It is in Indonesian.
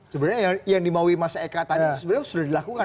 sebenarnya yang dimauin mas eka tadi sudah dilakukan